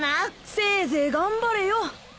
せいぜい頑張れよ。